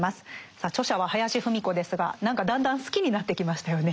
さあ著者は林芙美子ですが何かだんだん好きになってきましたよね。